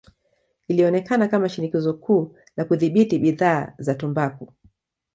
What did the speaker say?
Ilionekana kama shinikizo kuu la kudhibiti bidhaa za tumbaku.